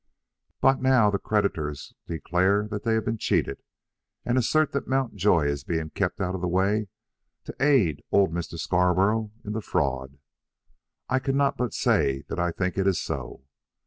"But now the creditors declare that they have been cheated, and assert that Mountjoy is being kept out of the way to aid old Mr. Scarborough in the fraud. I cannot but say that I think it is so.